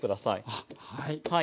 あっはい。